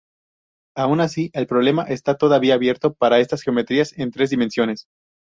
Aun así, el problema está todavía abierto para estas geometrías en tres dimensiones.